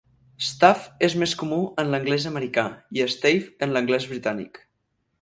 "Staff" és més comú en l'anglès americà, i "stave" en l'anglès britànic.